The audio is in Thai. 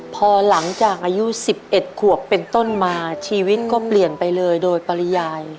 พอหลังจากอายุ๑๑ขวบเป็นต้นมาชีวิตก็เปลี่ยนไปเลยโดยปริยาย